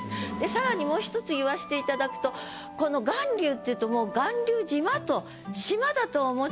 さらにもう１つ言わせていただくとこの「巌流」っていうともう。